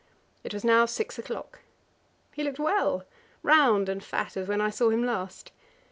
It was now six o'clock. He looked well; round and fat, as when I saw him last.